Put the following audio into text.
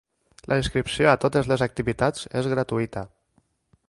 La inscripció a totes les activitats és gratuïta.